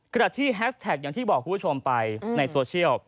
ขณะที่แฮสแท็กอย่างที่บอกคุณผู้ชมไปในโซเชียล